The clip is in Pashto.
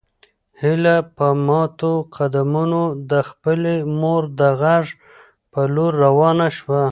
هیله په ماتو قدمونو د خپلې مور د غږ په لور روانه شوه.